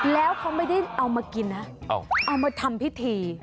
แล้วเขาไม่ได้เอามากินนะเอามาทำพิธี